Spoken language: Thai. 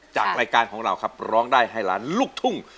จากรายการของเราครับร้องได้ให้ล้านลูกทุ่ง